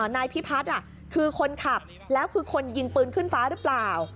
นายพิพัฒน์คือคนขับแล้วคือคนยิงปืนขึ้นฟ้าหรือเปล่า